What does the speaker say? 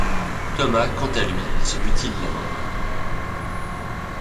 Tomas, quant à lui, se mutile la main.